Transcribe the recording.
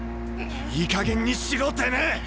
いいかげんにしろてめえ！